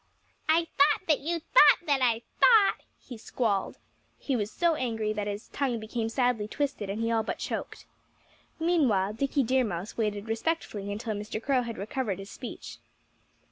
"I thought that you thought that I thought " he squalled. He was so angry that his tongue became sadly twisted; and he all but choked. Meanwhile Dickie Deer Mouse waited respectfully until Mr. Crow had recovered his speech.